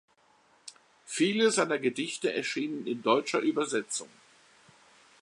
Viele seiner Gedichte erschienen in deutscher Übersetzung.